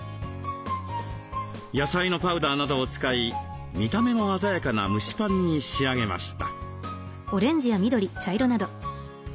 野菜のパウダーなどを使い見た目も鮮やかな蒸しパンに仕上げました。